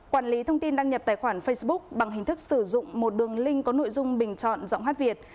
quản lý thông tin đăng nhập tài khoản facebook bằng hình thức sử dụng một đường link có nội dung bình chọn giọng hát việt